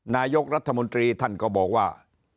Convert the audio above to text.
นายกรัฐมนตรีท่านก็บอกว่า